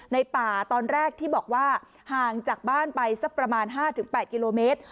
ในป่าตอนแรกที่บอกว่าห่างจากบ้านไปสักประมาณ๕๘กิโลเมตร